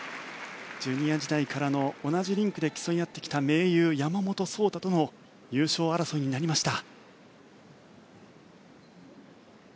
ジュニア時代から同じリンクで競い合ってきた盟友・山本草太との優勝争いになりました。